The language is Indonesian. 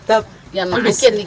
itu pidan tayang ini buat nyanyi